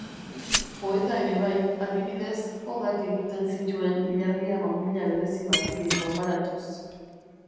Poeta ere bai, adibidez odak egiten zituen ilargia bonbilla berezi batekin konparatuz.